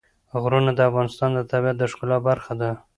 غرونه د افغانستان د طبیعت د ښکلا برخه ده.